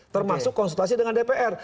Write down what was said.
termasuk konsultasi dengan dpr